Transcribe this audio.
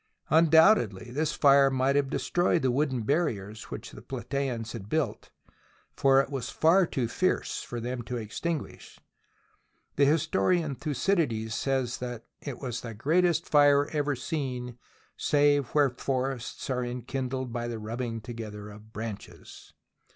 Undoubtedly this fire might have destroyed the wooden barriers which the Platasans had built, for it was far too fierce for them to extinguish. The historian Thucydides says that it was the great est fire ever seen " save where forests are en kindled by the rubbing together of branches."